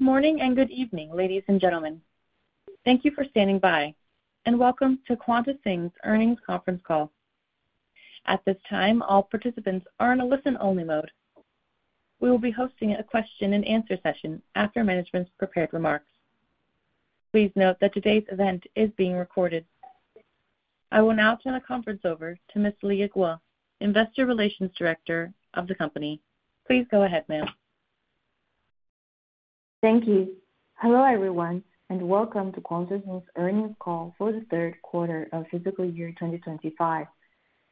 Good morning and good evening, ladies and gentlemen. Thank you for standing by, and welcome to QuantaSing's Earnings Conference Call. At this time, all participants are in a listen-only mode. We will be hosting a question-and-answer session after management's prepared remarks. Please note that today's event is being recorded. I will now turn the conference over to Ms. Leah Guo, Investor Relations Director of the company. Please go ahead, ma'am. Thank you. Hello, everyone, and welcome to QuantaSing's earnings call for the third quarter of fiscal year 2025.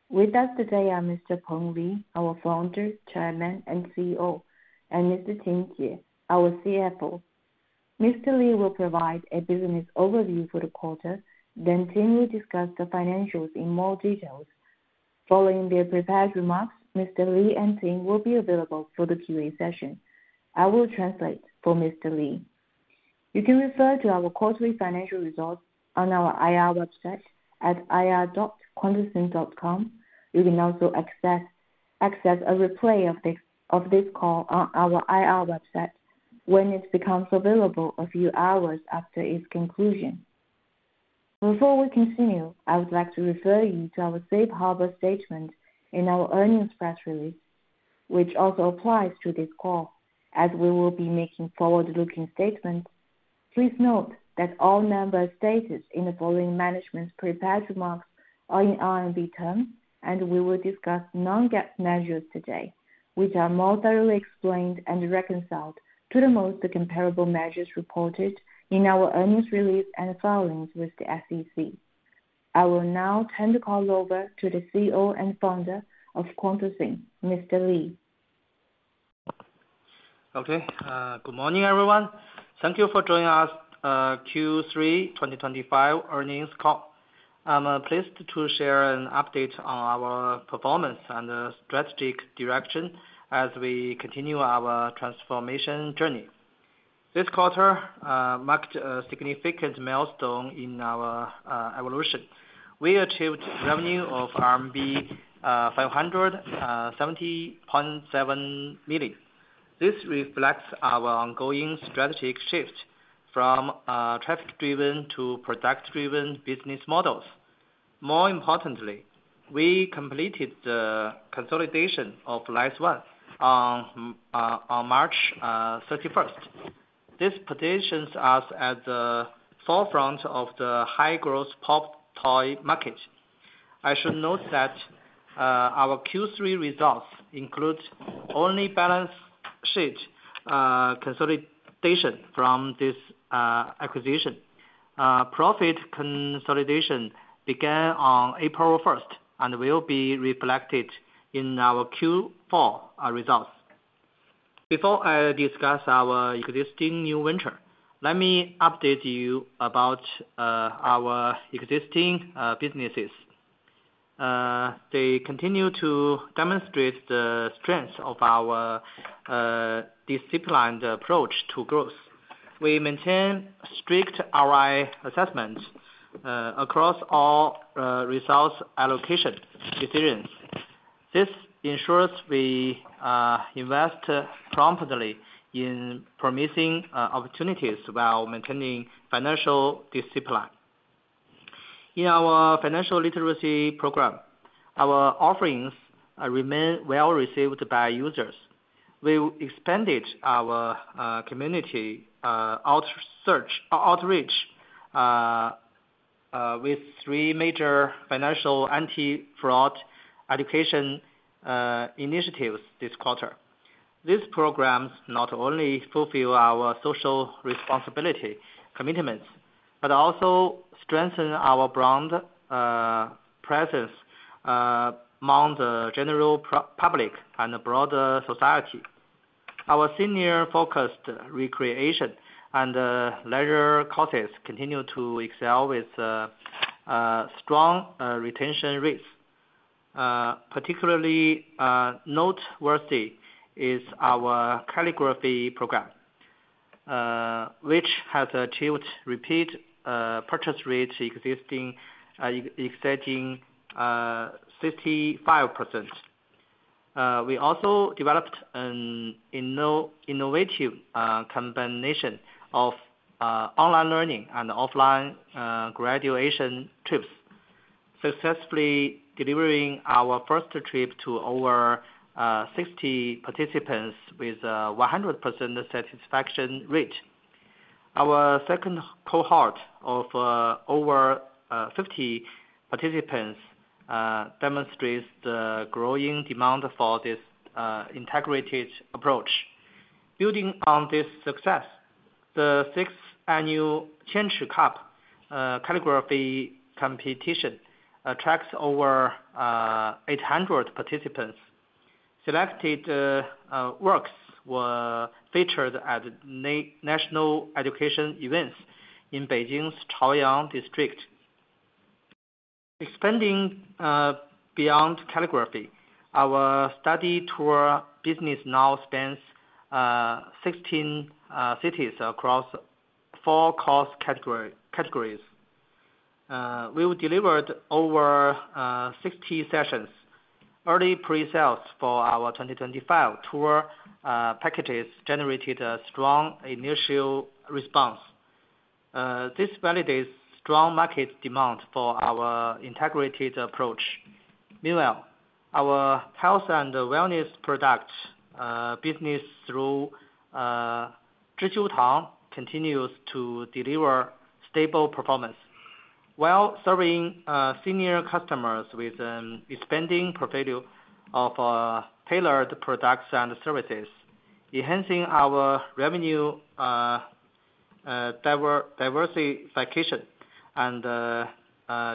With us today are Mr. Peng Li, our Founder, Chairman, and CEO, and Mr. Tim Xie, our CFO. Mr. Li will provide a business overview for the quarter, then Tim will discuss the financials in more detail. Following their prepared remarks, Mr. Li and Tim will be available for the Q&A session. I will translate for Mr. Li. You can refer to our quarterly financial results on our IR website at irquantasing.com. You can also access a replay of this call on our IR website when it becomes available a few hours after its conclusion. Before we continue, I would like to refer you to our safe harbor statement in our earnings press release, which also applies to this call, as we will be making forward-looking statements. Please note that all members' statements in the following management's prepared remarks are in RMB terms, and we will discuss non-GAAP measures today, which are more thoroughly explained and reconciled to the most comparable measures reported in our earnings release and filings with the SEC. I will now turn the call over to the CEO and founder of QuantaSing, Mr. Li. Okay. Good morning, everyone. Thank you for joining us at Q3 2025 earnings call. I'm pleased to share an update on our performance and strategic direction as we continue our transformation journey. This quarter marked a significant milestone in our evolution. We achieved revenue of RMB 570.7 million. This reflects our ongoing strategic shift from traffic-driven to product-driven business models. More importantly, we completed the consolidation of LICE1 on March 31. This positions us at the forefront of the high-growth pop toy market. I should note that our Q3 results include only balance sheet consolidation from this acquisition. Profit consolidation began on April 1 and will be reflected in our Q4 results. Before I discuss our existing new venture, let me update you about our existing businesses. They continue to demonstrate the strength of our disciplined approach to growth. We maintain strict ROI assessments across all results allocation decisions. This ensures we invest promptly in promising opportunities while maintaining financial discipline. In our financial literacy program, our offerings remain well received by users. We expanded our community outreach with three major financial anti-fraud education initiatives this quarter. These programs not only fulfill our social responsibility commitments but also strengthen our brand presence among the general public and broader society. Our senior-focused recreation and leisure courses continue to excel with strong retention rates. Particularly noteworthy is our calligraphy program, which has achieved repeat purchase rates exceeding 65%. We also developed an innovative combination of online learning and offline graduation trips, successfully delivering our first trip to over 60 participants with a 100% satisfaction rate. Our second cohort of over 50 participants demonstrates the growing demand for this integrated approach. Building on this success, the sixth annual Qianchi Cup calligraphy competition attracts over 800 participants. Selected works were featured at national education events in Beijing's Chaoyang District. Expanding beyond calligraphy, our study tour business now spans 16 cities across four core categories. We delivered over 60 sessions. Early pre-sales for our 2025 tour packages generated a strong initial response. This validates strong market demand for our integrated approach. Meanwhile, our health and wellness product business through Zhi Jiutang continues to deliver stable performance. While serving senior customers with an expanding portfolio of tailored products and services, enhancing our revenue diversification and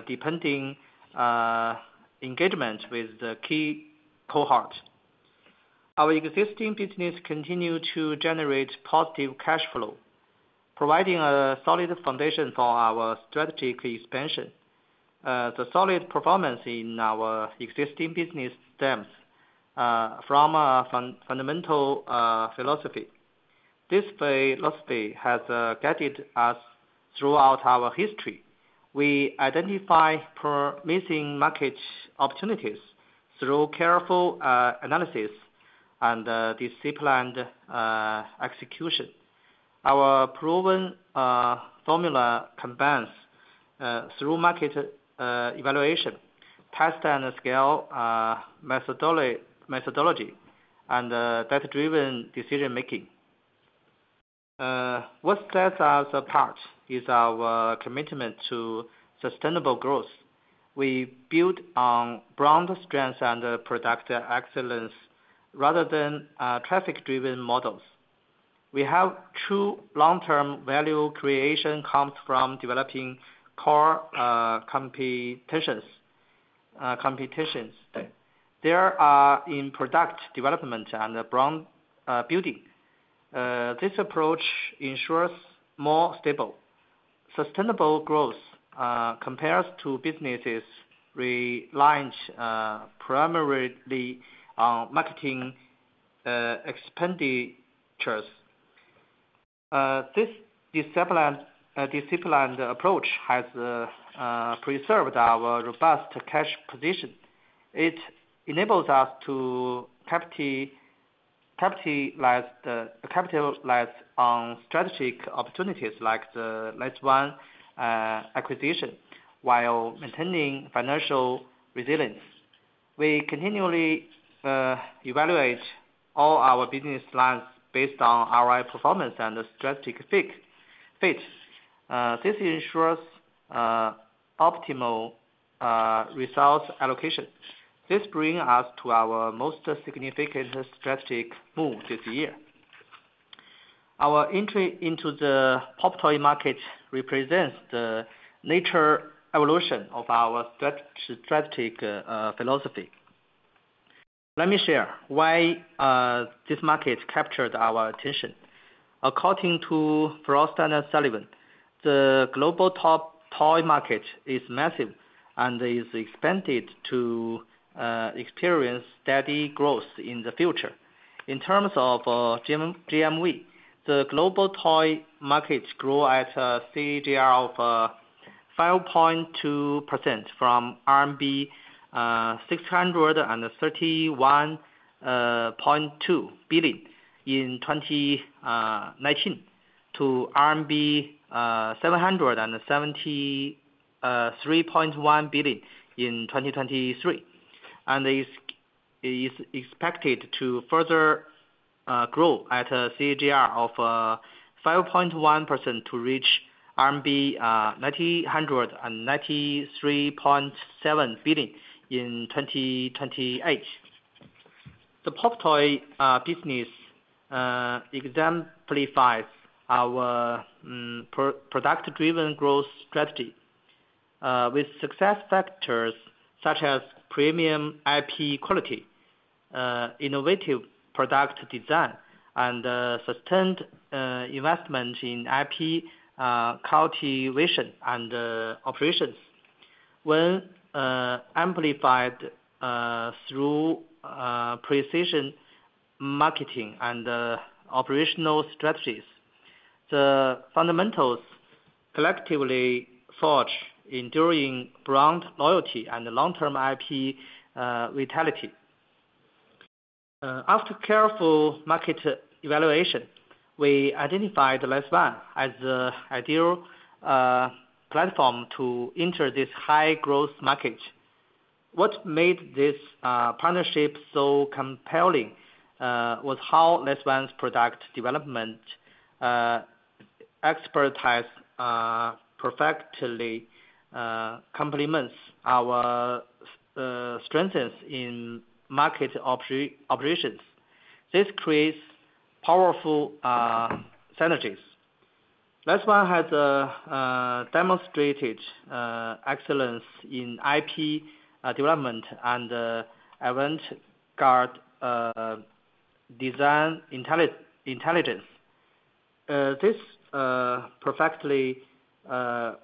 deepening engagement with the key cohort. Our existing business continues to generate positive cash flow, providing a solid foundation for our strategic expansion. The solid performance in our existing business stems from a fundamental philosophy. This philosophy has guided us throughout our history. We identify promising market opportunities through careful analysis and disciplined execution. Our proven formula combines thorough market evaluation, test-and-scale methodology, and data-driven decision-making. What sets us apart is our commitment to sustainable growth. We build on brand strength and product excellence rather than traffic-driven models. We have true long-term value creation that comes from developing core competencies. These are in product development and brand building. This approach ensures more stable, sustainable growth compared to businesses reliant primarily on marketing expenditures. This disciplined approach has preserved our robust cash position. It enables us to capitalize on strategic opportunities like the LICE1 acquisition while maintaining financial resilience. We continually evaluate all our business lines based on ROI performance and strategic fit. This ensures optimal resource allocation. This brings us to our most significant strategic move this year. Our entry into the pop toy market represents the major evolution of our strategic philosophy. Let me share why this market captured our attention. According to Frost & Sullivan, the global top toy market is massive and is expected to experience steady growth in the future. In terms of GMV, the global toy market grew at a CAGR of 5.2% from RMB 631.2 billion in 2019 to RMB 773.1 billion in 2023, and is expected to further grow at a CAGR of 5.1% to reach RMB 993.7 billion in 2028. The pop toy business exemplifies our product-driven growth strategy with success factors such as premium IP quality, innovative product design, and sustained investment in IP cultivation and operations. When amplified through precision marketing and operational strategies, the fundamentals collectively forge enduring brand loyalty and long-term IP vitality. After careful market evaluation, we identified LICE1 as the ideal platform to enter this high-growth market. What made this partnership so compelling was how LICE1's product development expertise perfectly complements our strengths in market operations. This creates powerful synergies. LICE1 has demonstrated excellence in IP development and avant-garde design intelligence. This perfectly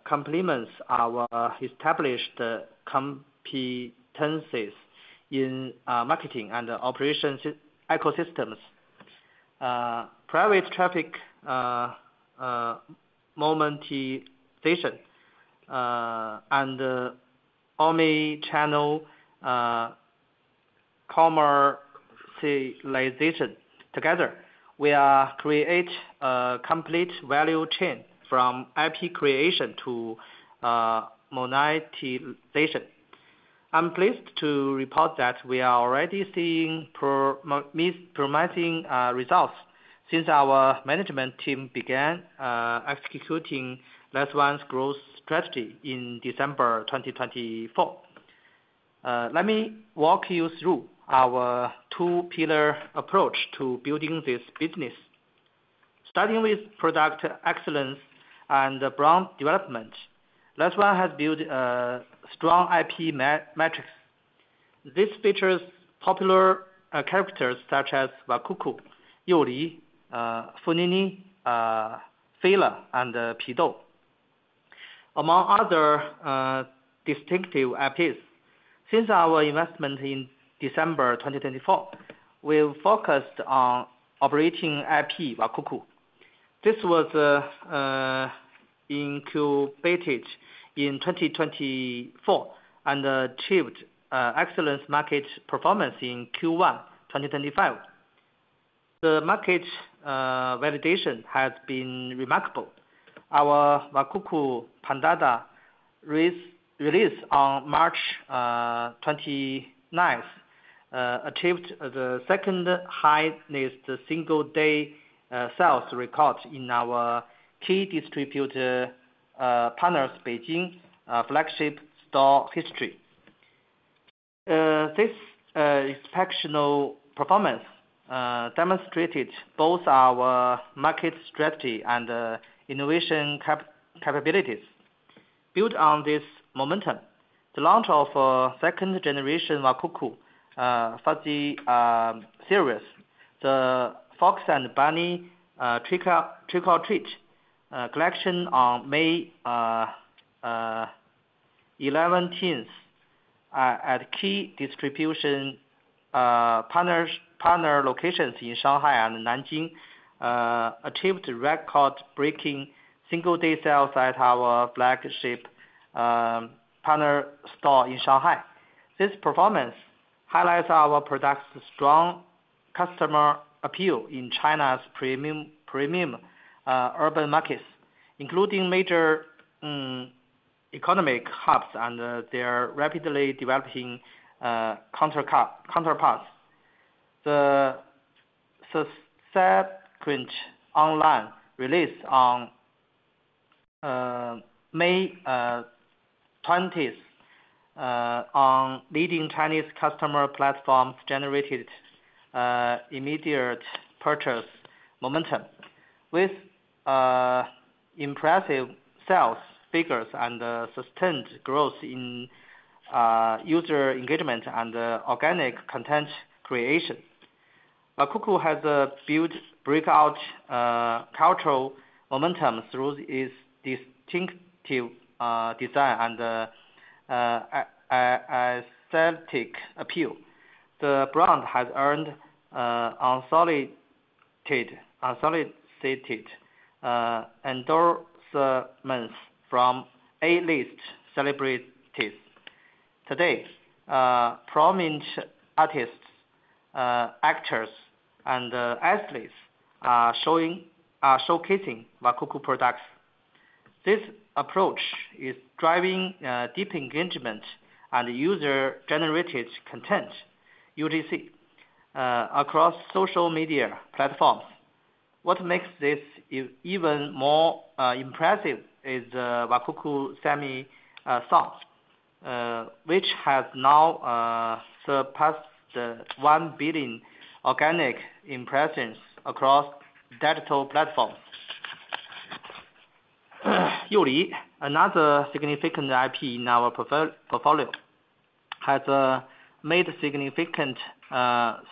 complements our established competencies in marketing and operations ecosystems. Private traffic monetization and omnichannel commercialization together create a complete value chain from IP creation to monetization. I'm pleased to report that we are already seeing promising results since our management team began executing LICE1's growth strategy in December 2024. Let me walk you through our two-pillar approach to building this business. Starting with product excellence and brand development, LICE1 has built strong IP metrics. This features popular characters such asWakuku, Yu Li, Funini, Feila, and Pidou. Among other distinctive IPs, since our investment in December 2024, we focused on operating IPWakuku. This was incubated in 2024 and achieved excellent market performance in Q1 2025. The market validation has been remarkable. OurWakuku Pandada release on March 29th achieved the second-highest single-day sales record in our key distributor partners' Beijing flagship store history. This exceptional performance demonstrated both our market strategy and innovation capabilities. Built on this momentum, the launch of a second generationWakuku Fuzzy series, the Fox and Bunny Trick or Treat collection on May 11th at key distribution partner locations in Shanghai and Nanjing achieved record-breaking single-day sales at our flagship partner store in Shanghai. This performance highlights our product's strong customer appeal in China's premium urban markets, including major economic hubs and their rapidly developing counterparts. The second online release on May 20th on leading Chinese customer platforms generated immediate purchase momentum with impressive sales figures and sustained growth in user engagement and organic content creation. Wakuku has built breakout cultural momentum through its distinctive design and aesthetic appeal. The brand has earned consolidated endorsements from A-list celebrities. Today, prominent artists, actors, and athletes are showcasingWakuku products. This approach is driving deep engagement and user-generated content (UGC) across social media platforms. What makes this even more impressive isWakuku Semi Songs, which has now surpassed 1 billion organic impressions across digital platforms. Yu Li, another significant IP in our portfolio, has made significant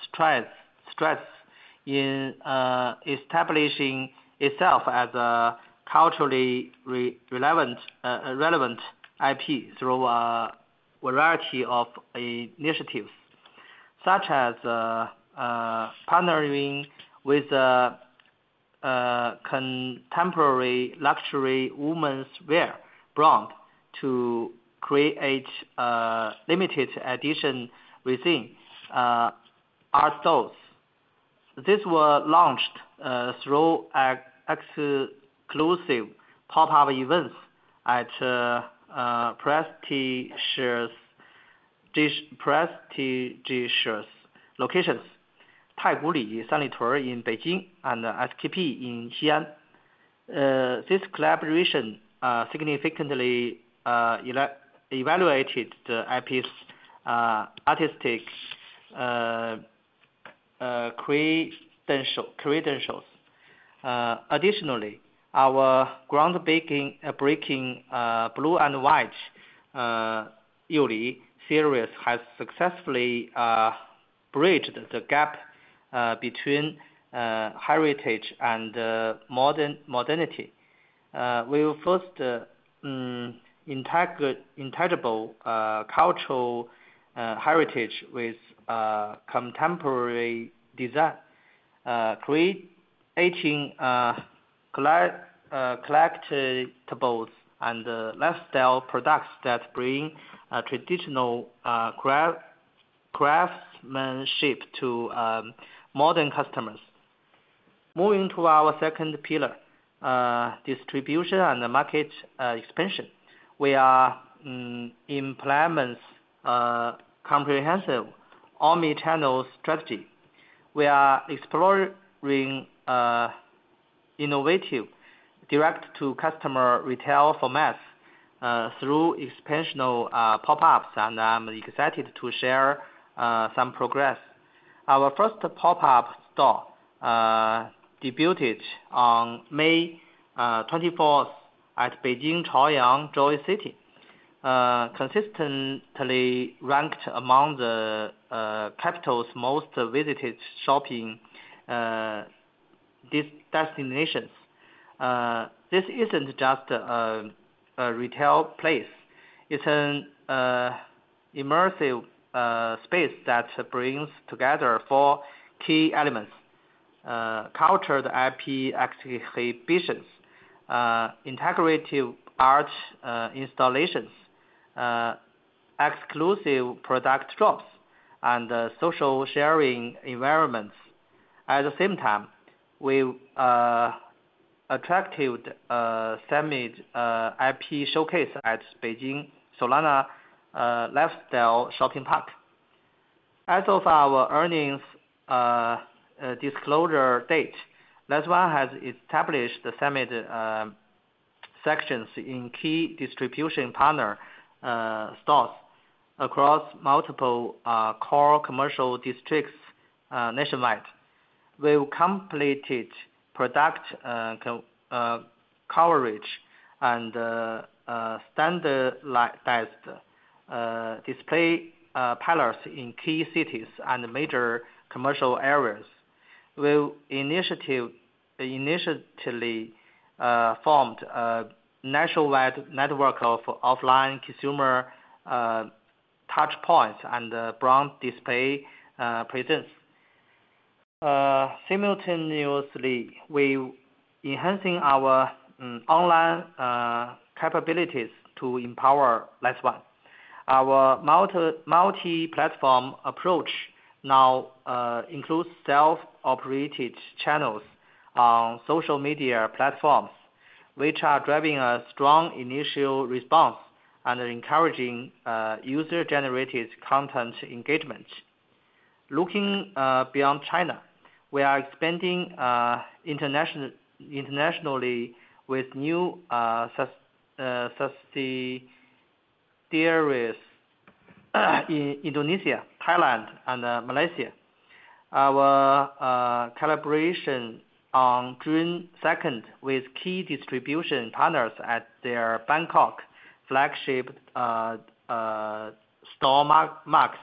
strides in establishing itself as a culturally relevant IP through a variety of initiatives, such as partnering with a contemporary luxury women's wear brand to create limited edition within art stores. This was launched through exclusive pop-up events at prestigious locations: Taikoo Li Sanlitun in Beijing and SKP in Xi'an. This collaboration significantly elevated the IP's artistic credentials. Additionally, our groundbreaking blue and white Yu Li series has successfully bridged the gap between heritage and modernity. We first integrated cultural heritage with contemporary design, creating collectibles and lifestyle products that bring traditional craftsmanship to modern customers. Moving to our second pillar, distribution and market expansion, we are implementing a comprehensive omnichannel strategy. We are exploring innovative direct-to-customer retail formats through expansion pop-ups, and I'm excited to share some progress. Our first pop-up store debuted on May 24th at Beijing Chaoyang Joy City, consistently ranked among the capital's most visited shopping destinations. This isn't just a retail place; it's an immersive space that brings together four key elements: cultured IP exhibitions, integrative art installations, exclusive product drops, and social sharing environments. At the same time, we attracted Semi's IP showcase at Beijing Solana Lifestyle Shopping Park. As of our earnings disclosure date, LICE1 has established Semi's sections in key distribution partner stores across multiple core commercial districts nationwide. We've completed product coverage and standardized display pillars in key cities and major commercial areas. We've initially formed a nationwide network of offline consumer touchpoints and brand display presence. Simultaneously, we're enhancing our online capabilities to empower LICE1. Our multi-platform approach now includes self-operated channels on social media platforms, which are driving a strong initial response and encouraging user-generated content engagement. Looking beyond China, we are expanding internationally with new subsidiaries in Indonesia, Thailand, and Malaysia. Our collaboration on June 2 with key distribution partners at their Bangkok flagship store marks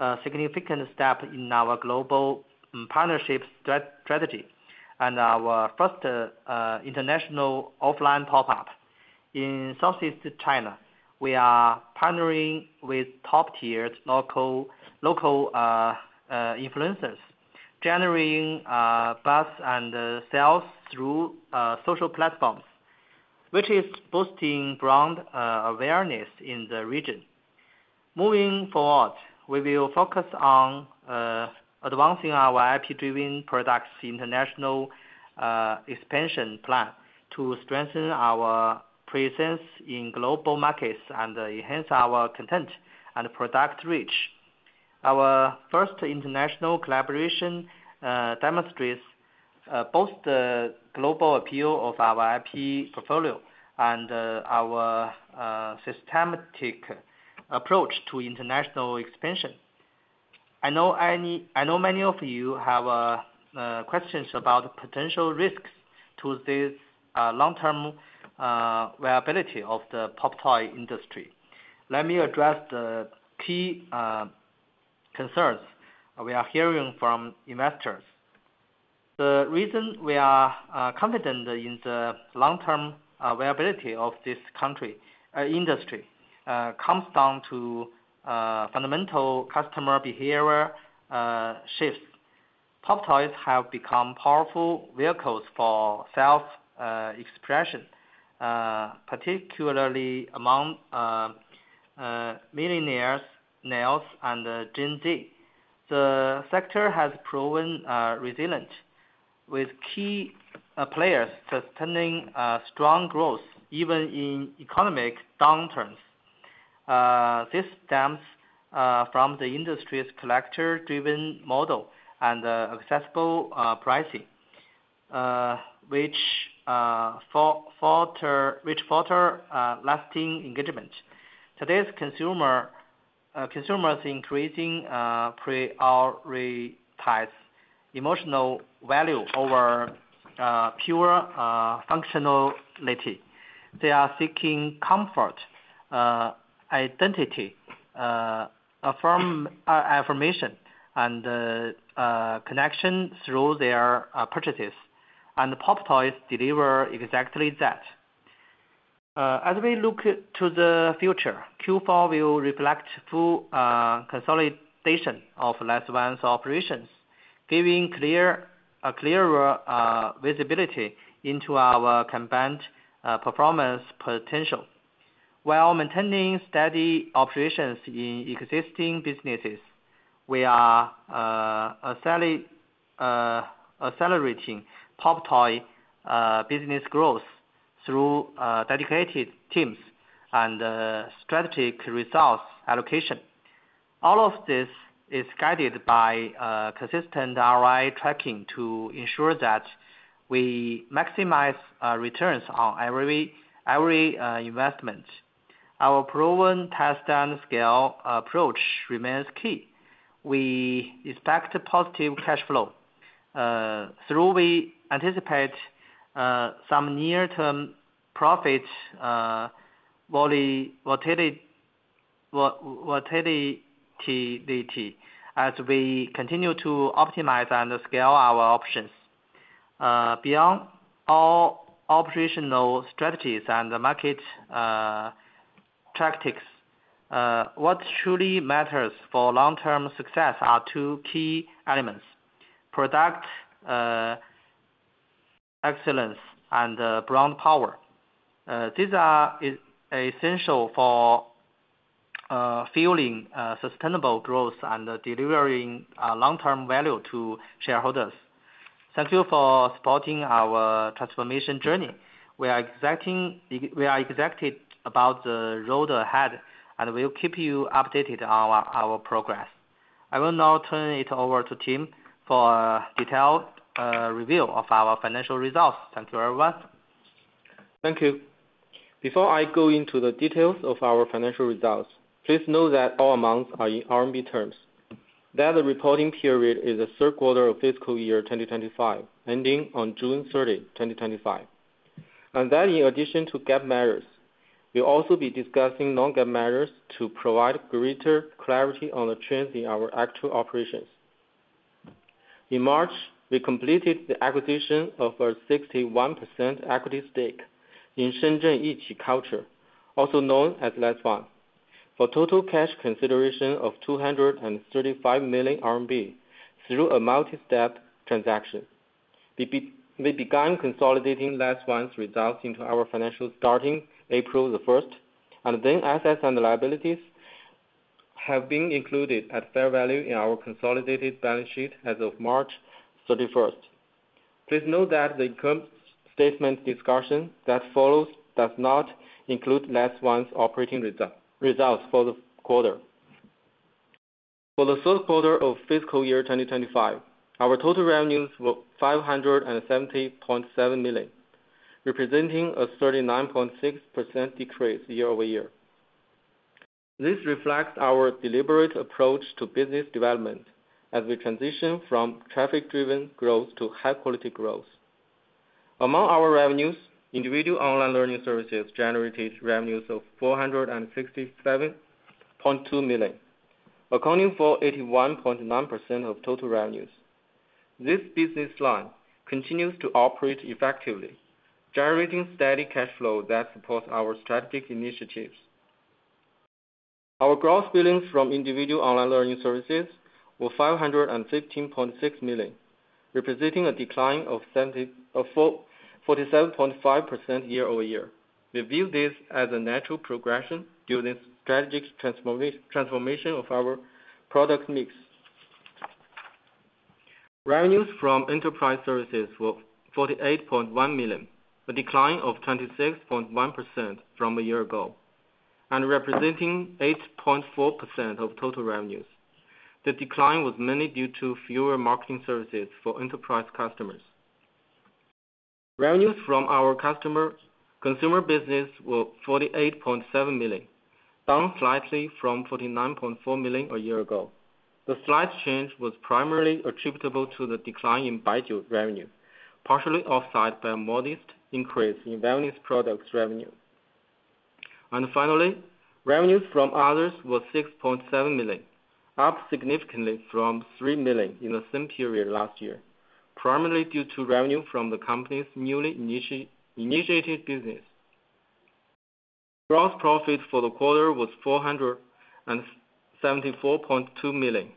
a significant step in our global partnership strategy and our first international offline pop-up. In Southeast China, we are partnering with top-tier local influencers, generating buzz and sales through social platforms, which is boosting brand awareness in the region. Moving forward, we will focus on advancing our IP-driven products' international expansion plan to strengthen our presence in global markets and enhance our content and product reach. Our first international collaboration demonstrates both the global appeal of our IP portfolio and our systematic approach to international expansion. I know many of you have questions about potential risks to the long-term viability of the pop toy industry. Let me address the key concerns we are hearing from investors. The reason we are confident in the long-term viability of this industry comes down to fundamental customer behavior shifts. Pop toys have become powerful vehicles for self-expression, particularly among millennials, males, and Gen-Z. The sector has proven resilient, with key players sustaining strong growth even in economic downturns. This stems from the industry's collector-driven model and accessible pricing, which foster lasting engagement. Today's consumers increasingly prioritize emotional value over pure functionality. They are seeking comfort, identity, affirmation, and connection through their purchases, and pop toys deliver exactly that. As we look to the future, Q4 will reflect full consolidation of LICE1's operations, giving a clearer visibility into our combined performance potential. While maintaining steady operations in existing businesses, we are accelerating pop toy business growth through dedicated teams and strategic resource allocation. All of this is guided by consistent ROI tracking to ensure that we maximize returns on every investment. Our proven test-and-scale approach remains key. We expect positive cash flow, though we anticipate some near-term profit volatility as we continue to optimize and scale our options. Beyond all operational strategies and market tactics, what truly matters for long-term success are two key elements: product excellence and brand power. These are essential for fueling sustainable growth and delivering long-term value to shareholders. Thank you for supporting our transformation journey. We are excited about the road ahead, and we'll keep you updated on our progress. I will now turn it over to Tim for a detailed review of our financial results. Thank you, everyone. Thank you. Before I go into the details of our financial results, please note that all amounts are in RMB terms. The reporting period is the third quarter of fiscal year 2025, ending on June 30, 2025. In addition to GAAP measures, we'll also be discussing non-GAAP measures to provide greater clarity on the trends in our actual operations. In March, we completed the acquisition of a 61% equity stake in Shenzhen Yiqi Culture, also known as LICE1, for total cash consideration of 235 million RMB through a multi-step transaction. We began consolidating LICE1's results into our financials starting April 1, and then assets and liabilities have been included at fair value in our consolidated balance sheet as of March 31. Please note that the income statement discussion that follows does not include LICE1's operating results for the quarter. For the third quarter of fiscal year 2025, our total revenues were 570.7 million, representing a 39.6% decrease year over year. This reflects our deliberate approach to business development as we transition from traffic-driven growth to high-quality growth. Among our revenues, individual online learning services generated revenues of 467.2 million, accounting for 81.9% of total revenues. This business line continues to operate effectively, generating steady cash flow that supports our strategic initiatives. Our gross billings from individual online learning services were 515.6 million, representing a decline of 47.5% year over year. We view this as a natural progression during the strategic transformation of our product mix. Revenues from enterprise services were 48.1 million, a decline of 26.1% from a year ago, and representing 8.4% of total revenues. The decline was mainly due to fewer marketing services for enterprise customers. Revenues from our consumer business were 48.7 million, down slightly from 49.4 million a year ago. The slight change was primarily attributable to the decline in Baijiu's revenue, partially offset by a modest increase in products revenue. Finally, revenues from others were 6.7 million, up significantly from 3 million in the same period last year, primarily due to revenue from the company's newly initiated business. Gross profit for the quarter was 474.2 million,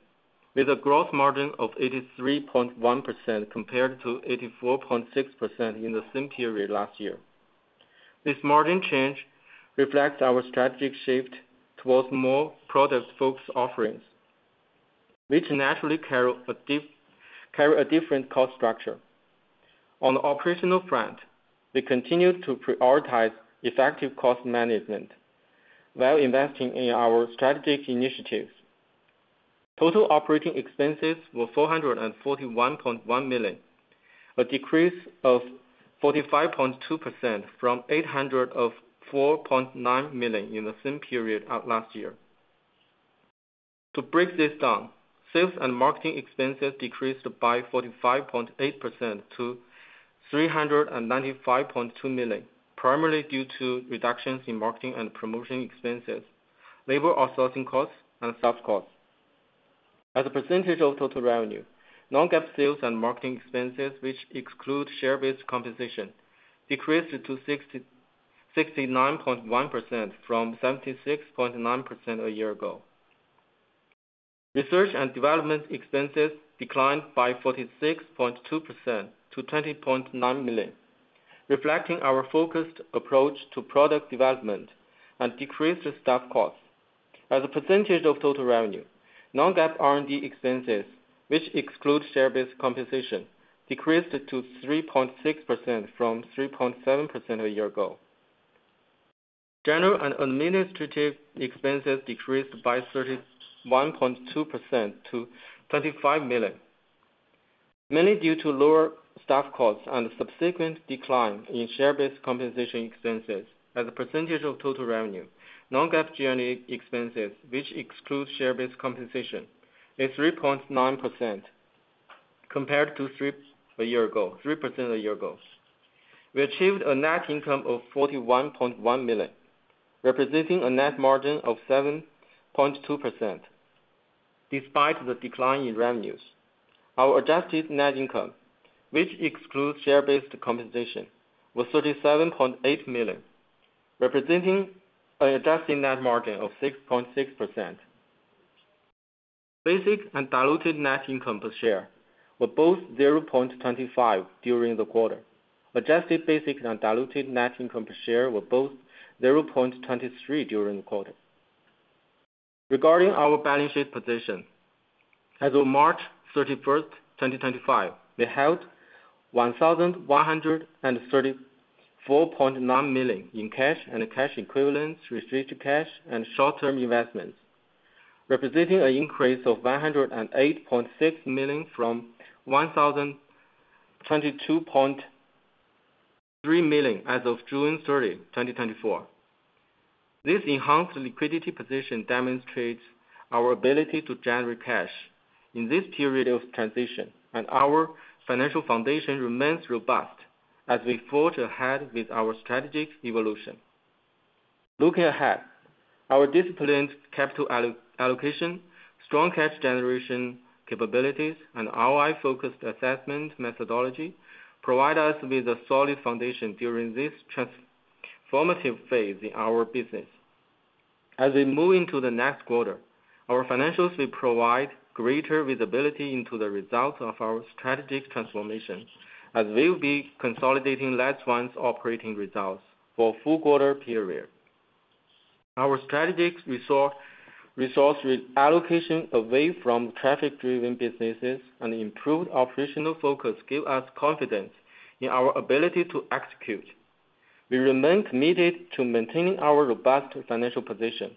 with a gross margin of 83.1% compared to 84.6% in the same period last year. This margin change reflects our strategic shift towards more product-focused offerings, which naturally carry a different cost structure. On the operational front, we continue to prioritize effective cost management while investing in our strategic initiatives. Total operating expenses were 441.1 million, a decrease of 45.2% from 804.9 million in the same period last year. To break this down, sales and marketing expenses decreased by 45.8% to 395.2 million, primarily due to reductions in marketing and promotion expenses, labor outsourcing costs, and subcosts. As a percentage of total revenue, non-GAAP sales and marketing expenses, which exclude share-based compensation, decreased to 69.1% from 76.9% a year ago. Research and development expenses declined by 46.2% to 20.9 million, reflecting our focused approach to product development and decreased staff costs. As a percentage of total revenue, non-GAAP R&D expenses, which exclude share-based compensation, decreased to 3.6% from 3.7% a year ago. General and administrative expenses decreased by 31.2% to 25 million, mainly due to lower staff costs and subsequent decline in share-based compensation expenses. As a percentage of total revenue, non-GAAP G&A expenses, which excludes share-based compensation, is 3.9% compared to 3% a year ago. We achieved a net income of 41.1 million, representing a net margin of 7.2% despite the decline in revenues. Our adjusted net income, which excludes share-based compensation, was 37.8 million, representing an adjusted net margin of 6.6%. Basic and diluted net income per share were both 0.25 during the quarter. Adjusted basic and diluted net income per share were both 0.23 during the quarter. Regarding our balance sheet position, as of March 31, 2025, we held 1,134.9 million in cash and cash equivalents, restricted cash, and short-term investments, representing an increase of 108.6 million from 1,022.3 million as of June 30, 2024. This enhanced liquidity position demonstrates our ability to generate cash in this period of transition, and our financial foundation remains robust as we forge ahead with our strategic evolution. Looking ahead, our disciplined capital allocation, strong cash generation capabilities, and ROI-focused assessment methodology provide us with a solid foundation during this transformative phase in our business. As we move into the next quarter, our financials will provide greater visibility into the results of our strategic transformation as we will be consolidating LICE1's operating results for a full quarter period. Our strategic resource allocation away from traffic-driven businesses and improved operational focus give us confidence in our ability to execute. We remain committed to maintaining our robust financial position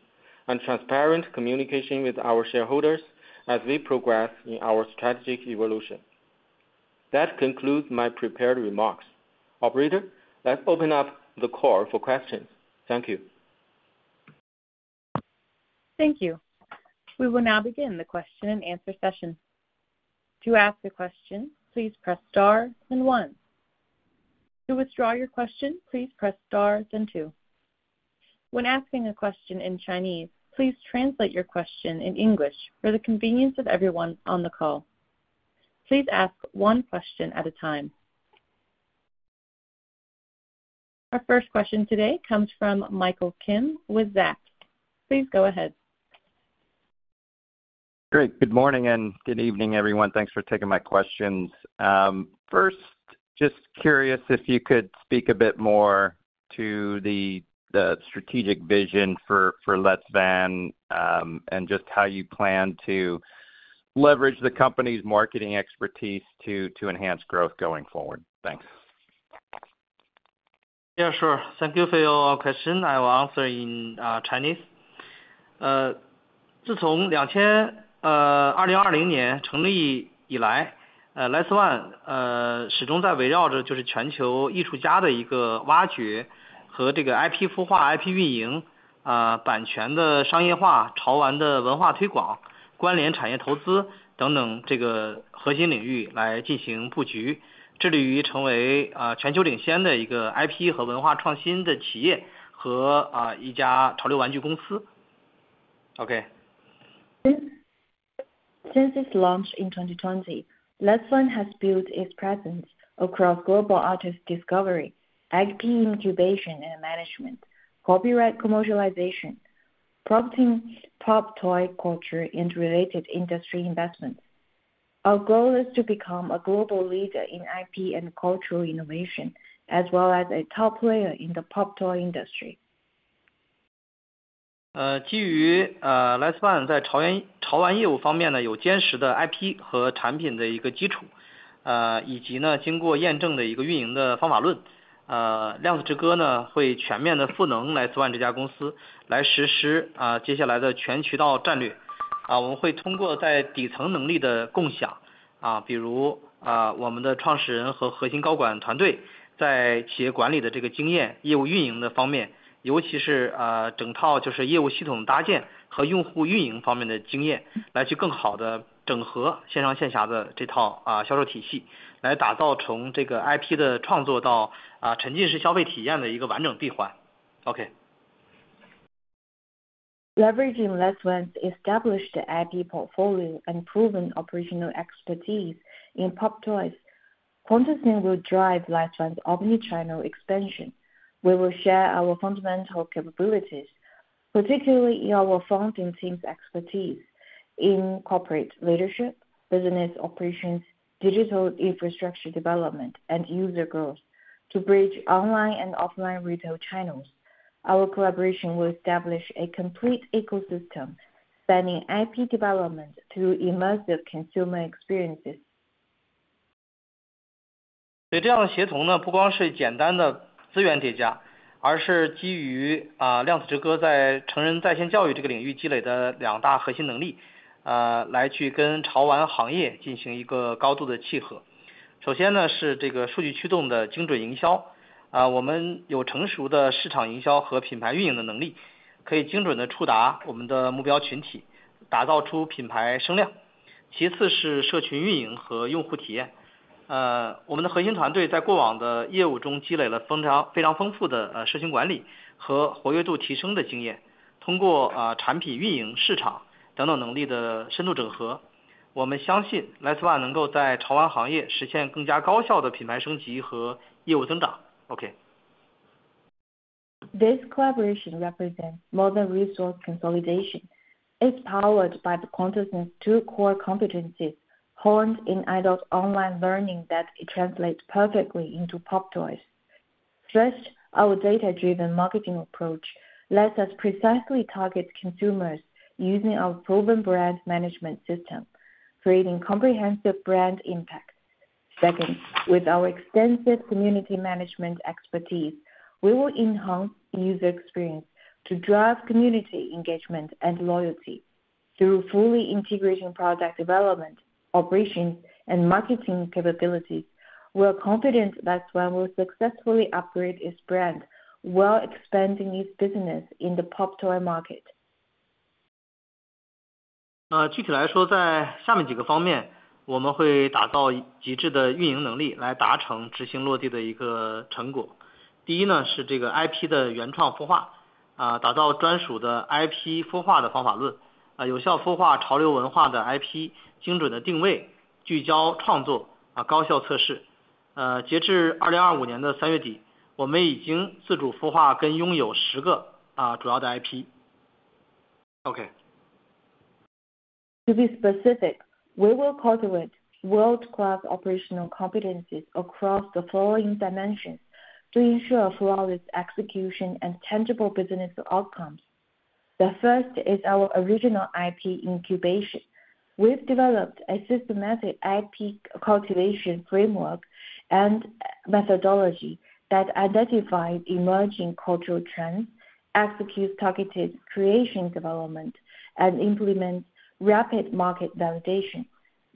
and transparent communication with our shareholders as we progress in our strategic evolution. That concludes my prepared remarks. Operator, let's open up the call for questions. Thank you. Thank you. We will now begin the question-and-answer session. To ask a question, please press star and one. To withdraw your question, please press star and two. When asking a question in Chinese, please translate your question in English for the convenience of everyone on the call. Please ask one question at a time. Our first question today comes from Michael Kim with Zac. Please go ahead. Great. Good morning and good evening, everyone. Thanks for taking my questions. First, just curious if you could speak a bit more to the strategic vision for LICE1 and just how you plan to leverage the company's marketing expertise to enhance growth going forward. Thanks. Yeah, sure. Thank you for your question. I will answer in Chinese. 自从2020年成立以来，LICE1始终在围绕着全球艺术家的一个挖掘和IP孵化、IP运营、版权的商业化、潮玩的文化推广、关联产业投资等等核心领域来进行布局，致力于成为全球领先的一个IP和文化创新的企业和一家潮流玩具公司。Okay. Since its launch in 2020, LICE1 has built its presence across global artist discovery, IP incubation and management, copyright commercialization, prompting pop toy culture and related industry investments. Our goal is to become a global leader in IP and cultural innovation, as well as a top player in the pop toy industry. Okay. Leveraging LICE1's established IP portfolio and proven operational expertise in pop toys, QuantaSing Group will drive LICE1's omnichannel expansion. We will share our fundamental capabilities, particularly our founding team's expertise in corporate leadership, business operations, digital infrastructure development, and user growth to bridge online and offline retail channels. Our collaboration will establish a complete ecosystem spanning IP development through immersive consumer experiences. Okay. This collaboration represents modern resource consolidation. It's powered by the QuantaSing Group's two core competencies honed in adult online learning that it translates perfectly into pop toys. First, our data-driven marketing approach lets us precisely target consumers using our proven brand management system, creating comprehensive brand impact. Second, with our extensive community management expertise, we will enhance user experience to drive community engagement and loyalty. Through fully integrating product development, operations, and marketing capabilities, we are confident LICE1 will successfully upgrade its brand, while expanding its business in the pop toy market. 具体来说，在下面几个方面，我们会打造极致的运营能力来达成执行落地的一个成果。第一是IP的原创孵化，打造专属的IP孵化的方法论，有效孵化潮流文化的IP，精准的定位，聚焦创作，高效测试。截至2025年的3月底，我们已经自主孵化跟拥有10个主要的IP。Okay. To be specific, we will cultivate world-class operational competencies across the following dimensions to ensure flawless execution and tangible business outcomes. The first is our original IP incubation. We've developed a systematic IP cultivation framework and methodology that identifies emerging cultural trends, executes targeted creation development, and implements rapid market validation.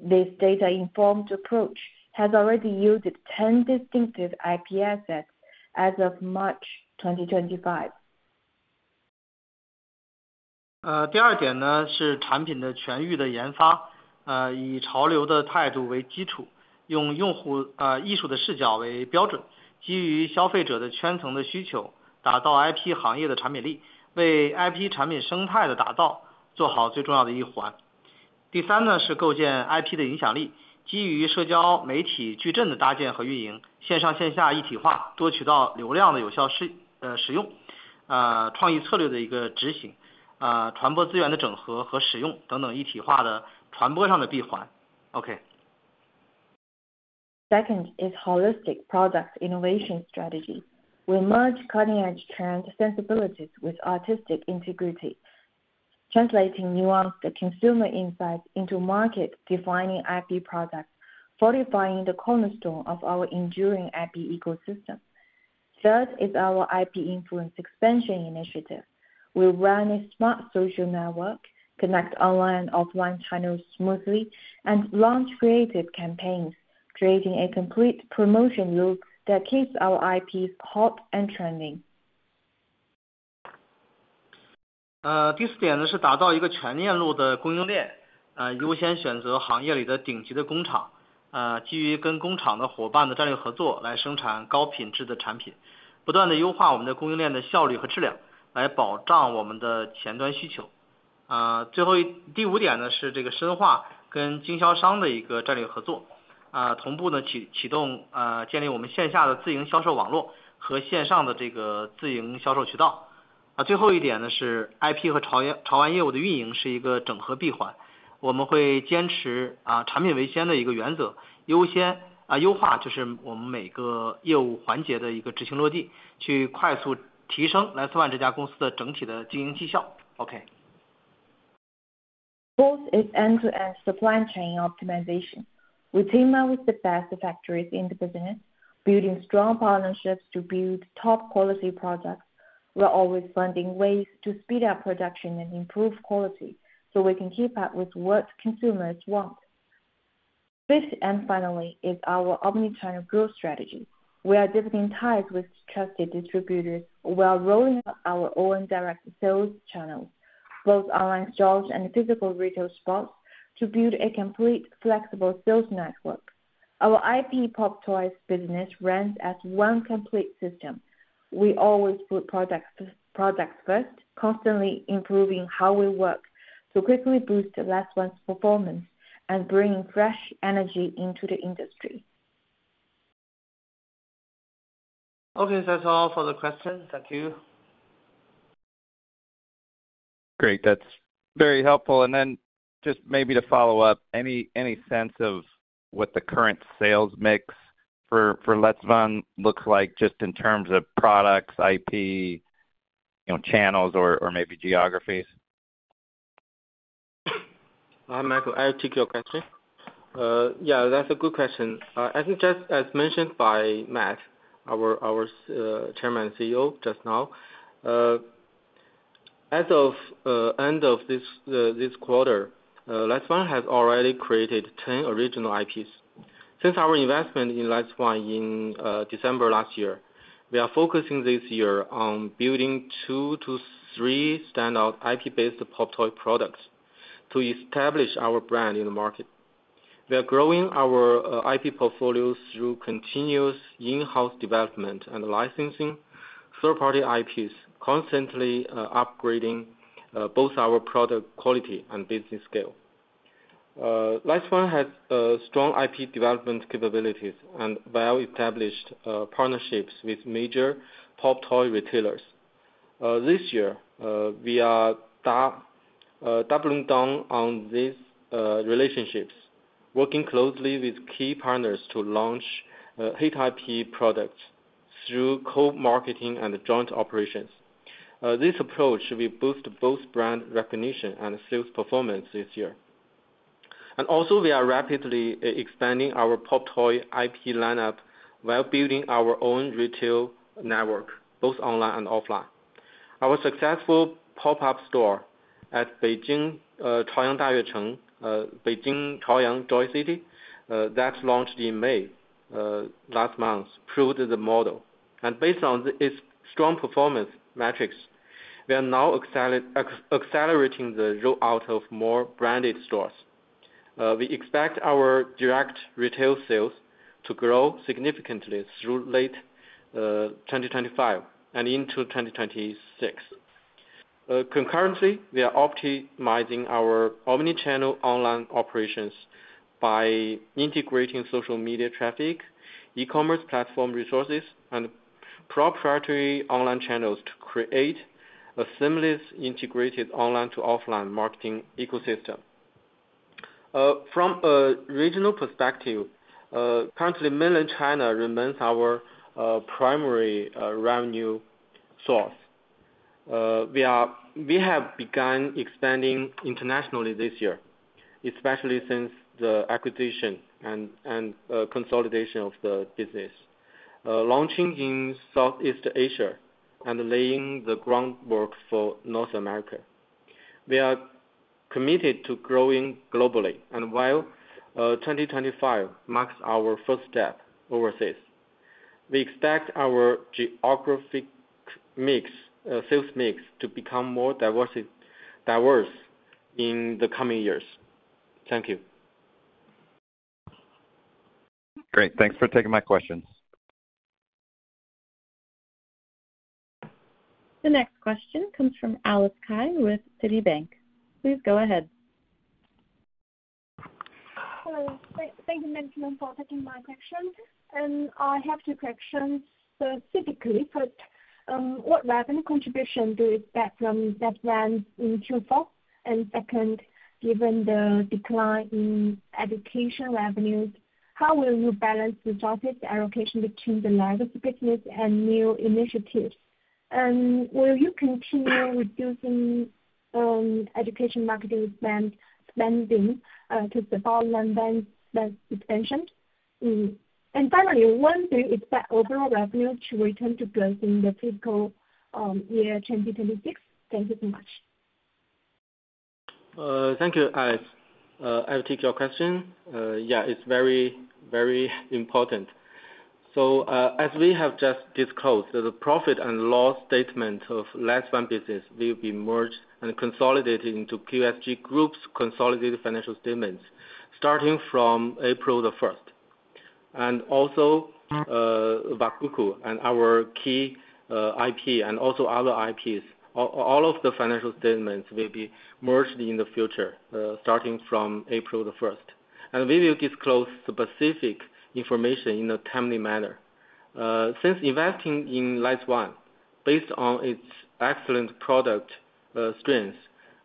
This data-informed approach has already yielded 10 distinctive IP assets as of March 2025. Okay. Second is holistic product innovation strategy. We merge cutting-edge trend sensibilities with artistic integrity, translating nuanced consumer insights into market-defining IP products, fortifying the cornerstone of our enduring IP ecosystem. Third is our IP influence expansion initiative. We run a smart social network, connect online and offline channels smoothly, and launch creative campaigns, creating a complete promotion loop that keeps our IPs hot and trending. 第四点是打造一个全链路的供应链，优先选择行业里的顶级的工厂，基于跟工厂的伙伴的战略合作来生产高品质的产品，不断地优化我们的供应链的效率和质量，来保障我们的前端需求。最后第五点是深化跟经销商的一个战略合作，同步启动建立我们线下的自营销售网络和线上的自营销售渠道。最后一点是IP和潮玩业务的运营是一个整合闭环，我们会坚持产品为先的一个原则，优化就是我们每个业务环节的一个执行落地，去快速提升LICE1这家公司的整体的经营绩效. Okay. Fourth is end-to-end supply chain optimization. We team up with the best factories in the business, building strong partnerships to build top-quality products. We're always finding ways to speed up production and improve quality so we can keep up with what consumers want. Fifth and finally is our omnichannel growth strategy. We are deepening ties with trusted distributors. We are rolling out our own direct sales channels, both online stalls and physical retail spots, to build a complete flexible sales network. Our IP pop toys business runs as one complete system. We always put products first, constantly improving how we work to quickly boost LICE1's performance and bringing fresh energy into the industry. Okay. That's all for the questions. Thank you. Great. That's very helpful. And then just maybe to follow up, any sense of what the current sales mix for LICE1 looks like just in terms of products, IP channels, or maybe geographies? I'll take your question. Yeah, that's a good question. I think just as mentioned by Matt, our Chairman and CEO just now, as of the end of this quarter, LICE1 has already created 10 original IPs. Since our investment in LICE1 in December last year, we are focusing this year on building two to three standout IP-based pop toy products to establish our brand in the market. We are growing our IP portfolios through continuous in-house development and licensing third-party IPs, constantly upgrading both our product quality and business scale. LICE1 has strong IP development capabilities and well-established partnerships with major pop toy retailers. This year, we are doubling down on these relationships, working closely with key partners to launch hit IP products through co-marketing and joint operations. This approach will boost both brand recognition and sales performance this year. We are rapidly expanding our pop toy IP lineup while building our own retail network, both online and offline. Our successful pop-up store at Beijing Chaoyang Joy City, that launched in May last month, proved the model. Based on its strong performance metrics, we are now accelerating the rollout of more branded stores. We expect our direct retail sales to grow significantly through late 2025 and into 2026. Concurrently, we are optimizing our omnichannel online operations by integrating social media traffic, e-commerce platform resources, and proprietary online channels to create a seamless integrated online to offline marketing ecosystem. From a regional perspective, currently, mainland China remains our primary revenue source. We have begun expanding internationally this year, especially since the acquisition and consolidation of the business, launching in Southeast Asia and laying the groundwork for North America. We are committed to growing globally, and while 2025 marks our first step overseas, we expect our geographic sales mix to become more diverse in the coming years. Thank you. Great. Thanks for taking my questions. The next question comes from Alice Kai with Citibank. Please go ahead. Hello. Thank you, Mr. Meng, for taking my question. I have two questions specifically. First, what revenue contribution do we expect from LICE1 in Q4? Second, given the decline in education revenues, how will you balance resources allocation between the legacy business and new initiatives? Will you continue reducing education marketing spending to support land-based expansion? Finally, when do you expect overall revenue to return to growth in the fiscal year 2026? Thank you so much. Thank you, Alice. I'll take your question. Yeah, it's very, very important. As we have just disclosed, the profit and loss statement of LICE1 business will be merged and consolidated into QuantaSing Group's consolidated financial statements starting from April 1. Also, Wakuku and our key IP and other IPs, all of the financial statements will be merged in the future starting from April 1. We will disclose specific information in a timely manner. Since investing in LICE1, based on its excellent product strength,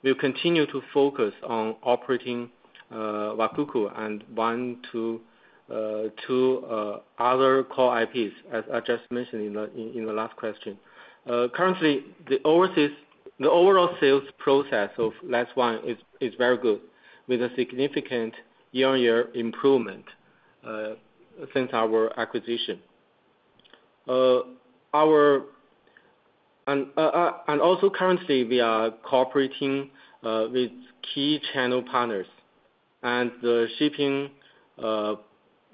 we will continue to focus on operating Wakuku and one to two other core IPs, as I just mentioned in the last question. Currently, the overall sales process of LICE1 is very good, with a significant year-on-year improvement since our acquisition. Also, currently, we are cooperating with key channel partners.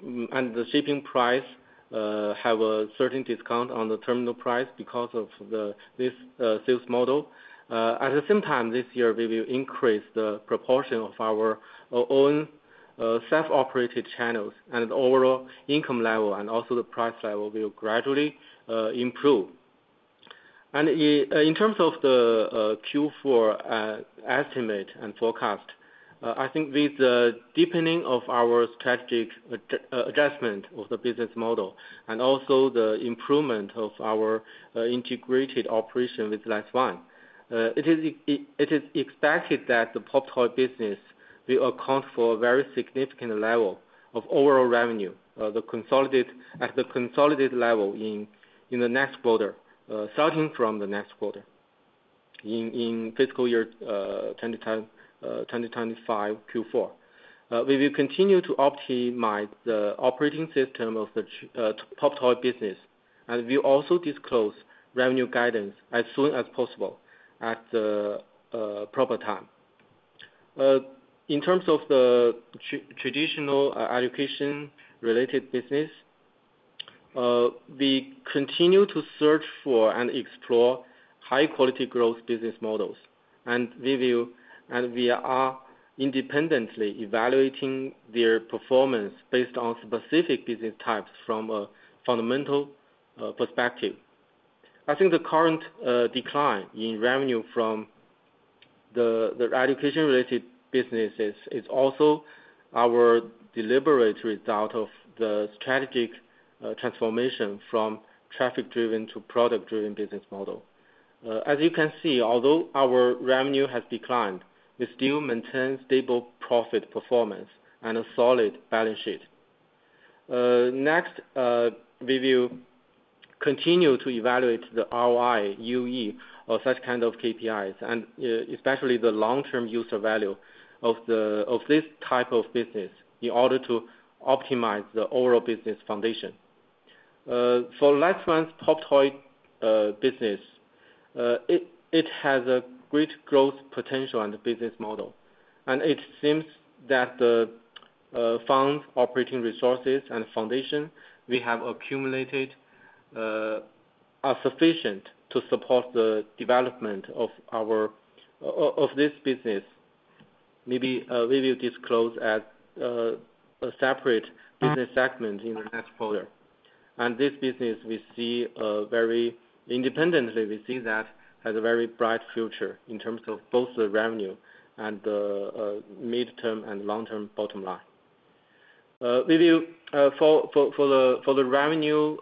The shipping price has a certain discount on the terminal price because of this sales model. At the same time, this year, we will increase the proportion of our own self-operated channels, and the overall income level and also the price level will gradually improve. In terms of the Q4 estimate and forecast, I think with the deepening of our strategic adjustment of the business model and also the improvement of our integrated operation with LICE1, it is expected that the pop toy business will account for a very significant level of overall revenue at the consolidated level in the next quarter, starting from the next quarter in fiscal year 2025 Q4. We will continue to optimize the operating system of the pop toy business, and we will also disclose revenue guidance as soon as possible at the proper time. In terms of the traditional education-related business, we continue to search for and explore high-quality growth business models, and we are independently evaluating their performance based on specific business types from a fundamental perspective. I think the current decline in revenue from the education-related businesses is also our deliberate result of the strategic transformation from traffic-driven to product-driven business model. As you can see, although our revenue has declined, we still maintain stable profit performance and a solid balance sheet. Next, we will continue to evaluate the ROI, UE, or such kind of KPIs, and especially the long-term user value of this type of business in order to optimize the overall business foundation. For LICE1's pop toy business, it has a great growth potential and business model. It seems that the funds, operating resources, and foundation we have accumulated are sufficient to support the development of this business. Maybe we will disclose as a separate business segment in the next quarter. This business, we see very independently, we see that it has a very bright future in terms of both the revenue and the mid-term and long-term bottom line. For the revenue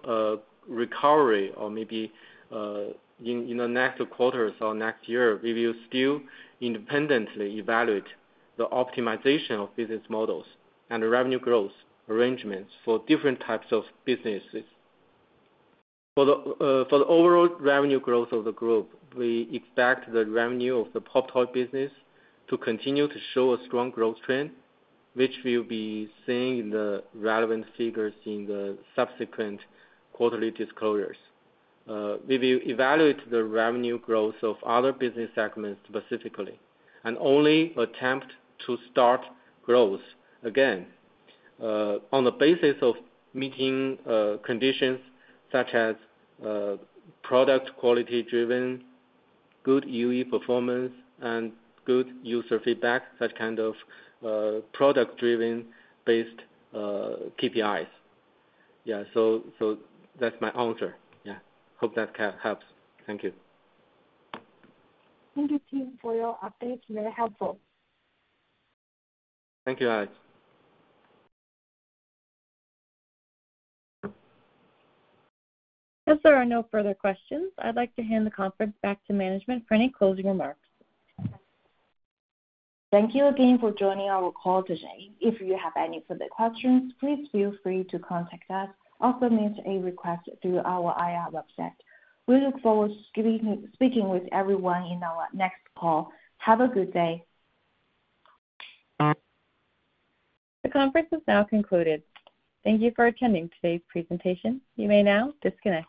recovery, or maybe in the next quarters or next year, we will still independently evaluate the optimization of business models and revenue growth arrangements for different types of businesses. For the overall revenue growth of the group, we expect the revenue of the pop toy business to continue to show a strong growth trend, which we will be seeing in the relevant figures in the subsequent quarterly disclosures. We will evaluate the revenue growth of other business segments specifically and only attempt to start growth again on the basis of meeting conditions such as product quality-driven, good UE performance, and good user feedback, such kind of product-driven-based KPIs. Yeah, so that's my answer. Yeah, hope that helps. Thank you. Thank you, team, for your updates. Very helpful. Thank you, Alice. Unless there are no further questions, I'd like to hand the conference back to management for any closing remarks. Thank you again for joining our call today. If you have any further questions, please feel free to contact us or submit a request through our IR website. We look forward to speaking with everyone in our next call. Have a good day. The conference is now concluded. Thank you for attending today's presentation. You may now disconnect.